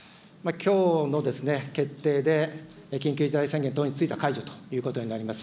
きょうの決定で、緊急事態宣言等については解除ということになります。